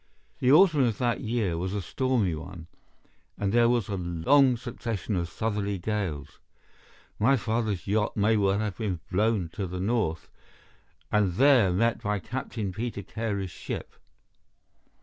The autumn of that year was a stormy one, and there was a long succession of southerly gales. My father's yacht may well have been blown to the north, and there met by Captain Peter Carey's ship.